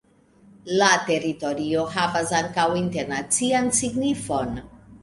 La teritorio havas ankaŭ internacian signifon.